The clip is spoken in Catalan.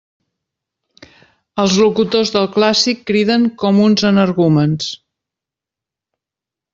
Els locutors del clàssic criden com uns energúmens.